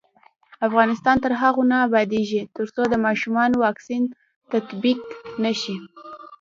افغانستان تر هغو نه ابادیږي، ترڅو د ماشومانو واکسین تطبیق نشي.